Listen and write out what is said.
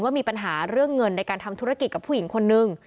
มีปัญหาเรื่องเงินในการทำธุรกิจกับผู้หญิงคนนึง